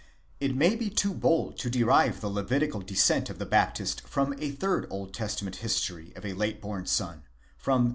It may be too bold to derive the Le vitical descent of the Baptist from a third Old Testament history of a late born son—from the.